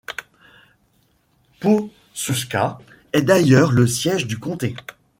Pawhuska est d'ailleurs le siège du comté.